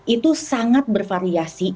itu sangat bervariasi